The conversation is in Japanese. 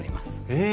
え！